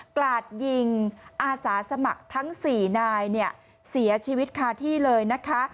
กราดยิงอาสาสมัครทั้ง๔นายเนี่ยเสียชีวิตคาที่เลยนะคะ